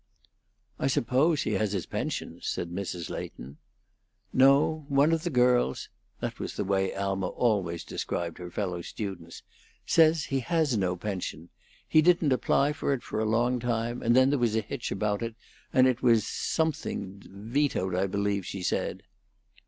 "I suppose he has his pension," said Mrs. Leighton. "No; one of the girls" that was the way Alma always described her fellow students "says he has no pension. He didn't apply for it for a long time, and then there was a hitch about it, and it was somethinged vetoed, I believe she said."